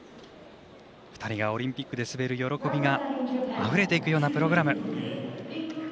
２人がオリンピックで滑る喜びがあふれてくるようなプログラム。